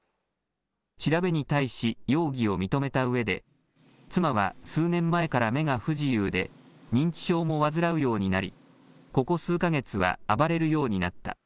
調べに対し、容疑を認めたうえで、妻は数年前から目が不自由で、認知症も患うようになり、ここ数か月は暴れるようになった。